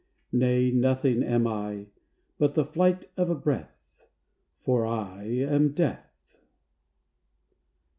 Nay; nothing am I, But the flight of a breath For I am Death!